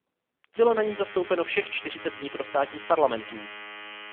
Bylo na ní zastoupeno všech čtyřicet vnitrostátních parlamentů.